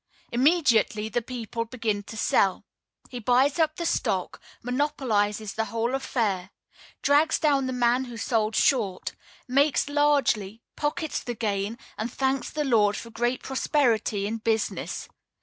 Immediately the people begin to sell; he buys up the stock; monopolizes the whole affair; drags down the man who sold short; makes largely, pockets the gain, and thanks the Lord for great prosperity in business.